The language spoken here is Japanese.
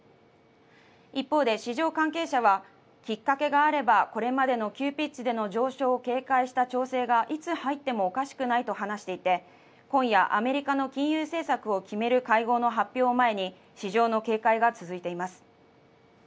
一方で市場関係者は、きっかけがあれば、これまでの急ピッチでの上昇を警戒した調整がいつ入ってもおかしくないと話していて、今夜、アメリカの金融政策を決める会合の発表を前に市場の警戒が続いています。